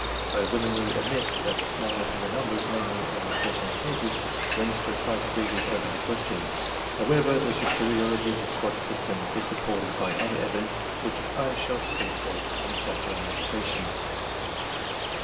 I willingly admit that the smallness of the numbers, namely, only 13 cases, renders precise figures open to question; however, the superiority of the Scotch system is supported by other evidence which I shall speak of in the chapter on education.